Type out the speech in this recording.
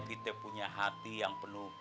kita punya hati yang penuh